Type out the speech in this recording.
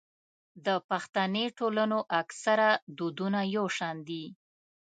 د پښتني ټولنو اکثره دودونه يو شان دي.